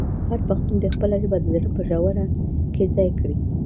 هر پښتون دې خپله ژبه د زړه په ژوره کې ځای کړي.